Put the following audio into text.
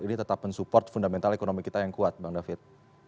ini tetap mensupport fundamental ekonomi kita yang kuat bang david